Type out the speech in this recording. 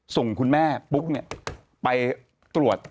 ส่งคุณแม่ปุ๊บเนี่ยไปตรวจ